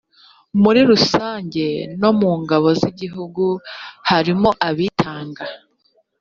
muri rusange no mu ngabo z’igihugu harimo abitanga